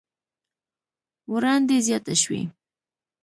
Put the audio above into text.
وړاندې زياته شوې